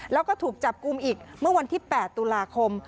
แล้วก็ถูกจับกลุ่มอีกเมื่อวันที่๘ตุลาคม